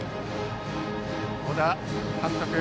小田監督